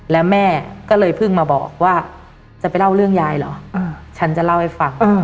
แล้วแม่ก็เลยเพิ่งมาบอกว่าจะไปเล่าเรื่องยายเหรอฉันจะเล่าให้ฟัง